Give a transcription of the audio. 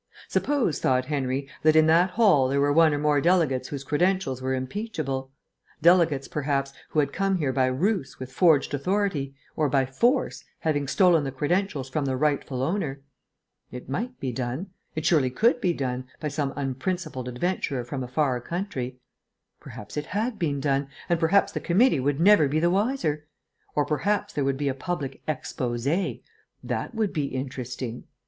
Suppose, thought Henry, that in that hall there were one or more delegates whose credentials were impeachable; delegates, perhaps who had come here by ruse with forged authority, or by force, having stolen the credentials from the rightful owner.... It might be done: it surely could be done, by some unprincipled adventurer from a far country. Perhaps it had been done, and perhaps the committee would never be the wiser. Or perhaps there would be a public exposé.... That would be interesting.